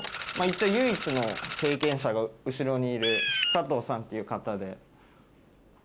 唯一の経験者が後ろにいるサトウさんという方で。